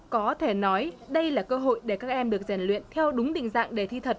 có thể nói đây là cơ hội để các em được rèn luyện theo đúng định dạng đề thi thật